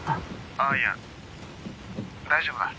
ああいや大丈夫だ。